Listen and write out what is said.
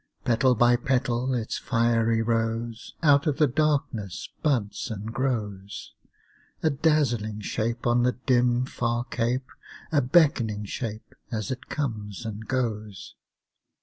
Petal by petal its fiery rose Out of the darkness buds and grows; A dazzling shape on the dim, far cape, A beckoning shape as it comes and goes.